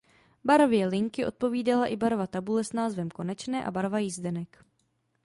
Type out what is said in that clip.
Barvě linky odpovídala i barva tabule s názvem konečné a barva jízdenek.